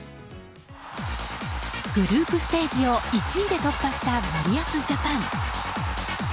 グループステージを１位で突破した森保ジャパン。